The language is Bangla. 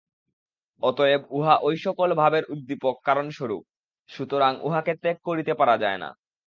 অতএব উহা ঐসকল ভাবের উদ্দীপক কারণস্বরূপ, সুতরাং উহাকে ত্যাগ করিতে পারা যায় না।